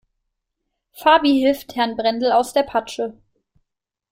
Fabi hilft Herrn Brendel aus der Patsche.